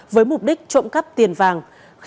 với mục đích trộm cắp tiền vàng